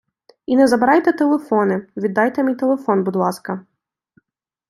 І не забирайте телефони, віддайте мій телефон, будь ласка.